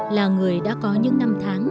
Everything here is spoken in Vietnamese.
là người đã có những năm tháng